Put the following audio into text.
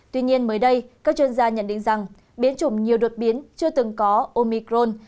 tuy nhiên mới đây các chuyên gia nhận định rằng biến chủng nhiều đột biến chưa từng có omicron